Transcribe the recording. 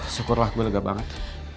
syukurlah gue lega banget